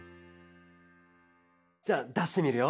じゃあだしてみるよ。